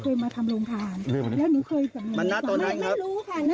เจ้าหน้าที่เขาไม่ให้เข้าเจ้าหน้าที่ไม่ให้เข้าไม่รู้ด้วยนะ